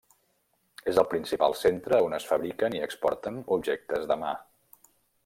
És el principal centre on es fabriquen i exporten objectes de mà.